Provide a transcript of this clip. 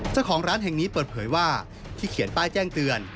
เจ้าของร้านแห่งนี้เปิดเผยว่าที่เขียนป้ายแจ้งเตือน